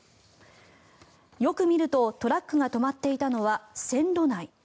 よく見るとトラックが止まっていたのは線路内。